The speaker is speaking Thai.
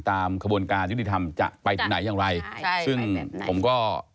ตามกระบวนการฤทธิธรรมจะไปไหนอย่างไรซึ่งผมก็